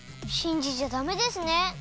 しんじちゃダメですね。